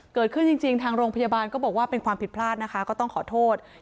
จริงทางโรงพยาบาลก็บอกว่าเป็นความผิดพลาดนะคะก็ต้องขอโทษ